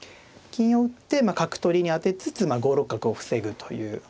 金を打って角取りに当てつつまあ５六角を防ぐという。